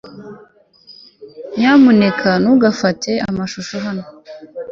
nyamuneka ntugafate amashusho hano